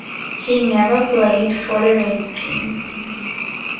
He never played for the Redskins.